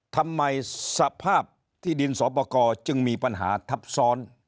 สภาพที่ดินสอปกรจึงมีปัญหาทับซ้อน